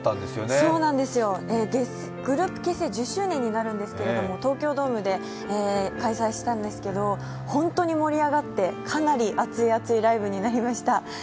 そうなんですよ、グループ結成１０周年になるんですけれども、東京ドームで開催したんですけれども、本当に盛り上がってかなり熱い熱いライブになりました。